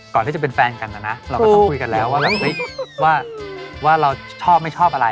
ก่อนที่จะเป็นแฟนกันนะนะเราก็ต้องคุยกันแล้วว่าเราชอบไม่ชอบอะไร